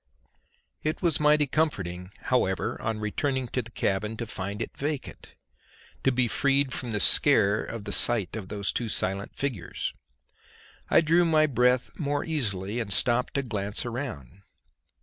It was mighty comforting, however, on returning to the cabin to find it vacant, to be freed from the scare of the sight of the two silent figures. I drew my breath more easily and stopped to glance around.